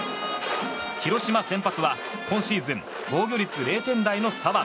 広島先発は今シーズン防御率０点台の左腕